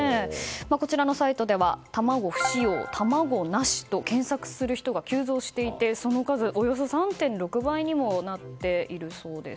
こちらのサイトでは「卵不使用」「卵なし」と検索する人が急増していてその数およそ３．６倍にもなっているそうです。